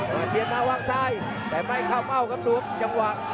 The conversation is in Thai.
มันเตรียมมาว่างซ้ายแต่ไม่เข้าเม่ากับหนุ่มจำหวัง